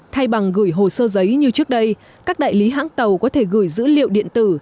thay bằng gửi hồ sơ giấy như trước đây các đại lý hãng tàu có thể gửi dữ liệu điện tử